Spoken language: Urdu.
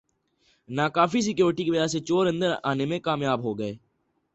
ناکافی سیکورٹی کی وجہ سےچور اندر آنے میں کامیاب ہوگئے